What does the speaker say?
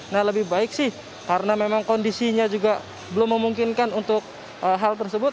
nah lebih baik sih karena memang kondisinya juga belum memungkinkan untuk hal tersebut